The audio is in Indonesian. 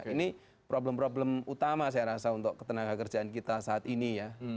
ini problem problem utama saya rasa untuk ketenaga kerjaan kita saat ini ya